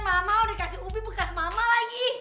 mama udah dikasih ubi bekas mama lagi